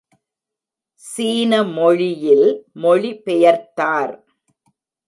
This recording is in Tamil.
சீன மொழியில் மொழி பெயர்த்தார்.